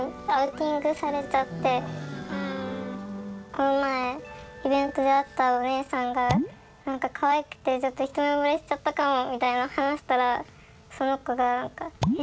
この前イベントで会ったお姉さんがかわいくてちょっと一目ぼれしちゃったかもみたいな話したらその子がえ？